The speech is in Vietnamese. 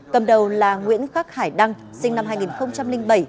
cầm đầu là nguyễn khắc hải đăng sinh năm hai nghìn bảy